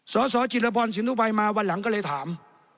สสจิรพรสินุภัยมาวันหลังก็เลยถาม